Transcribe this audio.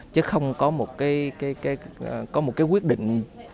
chứ không có một cái quyết định